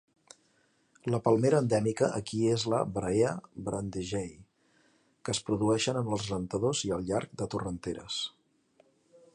La palmera endèmica aquí és la "Brahea brandegeei" que es produeixen en els rentadors i al llarg de torrenteres.